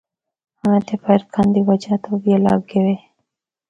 انہاں دے فرقاں دی وجہ توں وی الگ وے۔